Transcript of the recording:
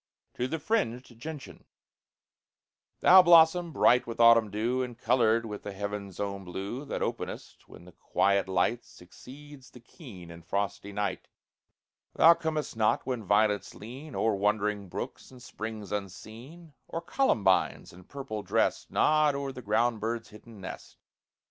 TO THE FRINGED GENTIAN Thou blossom, bright with autumn dew, And colored with the heaven's own blue, That openest when the quiet light Succeeds the keen and frosty night; Thou comest not when violets lean O'er wandering brooks and springs unseen, Or columbines, in purple dressed, Nod o'er the ground bird's hidden nest.